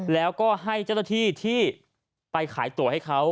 แล้วก็ให้เจ้าหน้าที่ที่ไปขายตัวให้เขา